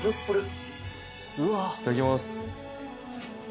いただきます。